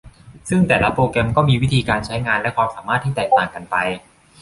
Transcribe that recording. ซึ่งแต่ละโปรแกรมก็มีวิธีการใช้งานและความสามารถที่แตกต่างกันไป